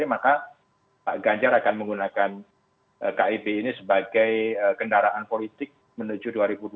maka pak ganjar akan menggunakan kib ini sebagai kendaraan politik menuju dua ribu dua puluh